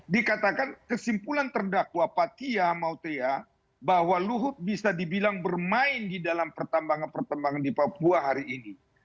dikatakan kesimpulan terdakwa patia mautea bahwa luhut bisa dibilang bermain di dalam pertambangan pertambangan di papua hari ini